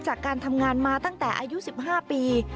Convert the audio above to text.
จากการทำงานมาตั้งแต่อายุ๑๕ปี